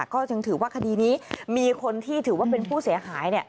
ก็จึงถือว่าคดีนี้มีคนที่ถือว่าเป็นผู้เสียหาย